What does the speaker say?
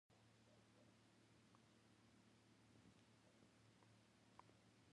پښتنې حجرې، پښتنې مامتې بې صاحبه دي.